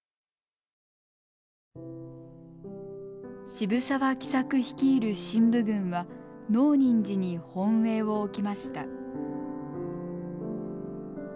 渋沢喜作率いる振武軍は能仁寺に本営を置きました。